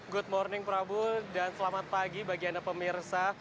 good morning prabu dan selamat pagi bagi anda pemirsa